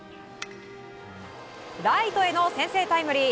ライトへの先制タイムリー。